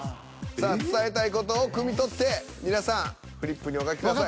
さあ伝えたい事をくみ取って皆さんフリップにお書きください。